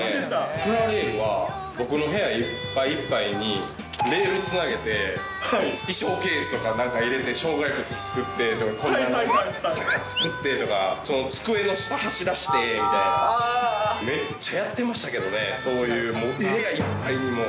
プラレールは、僕の部屋いっぱいいっぱいにレールつなげて、衣装ケースとか中入れて、障害物作ってとか、こんな山作ってとか、机の下走らせてとかめっちゃやってましたけどね、そういう部屋いっぱいにもう。